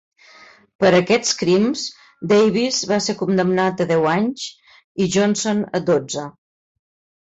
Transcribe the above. Per aquests crims, Davis va ser condemnat a deu anys i Johnson a dotze.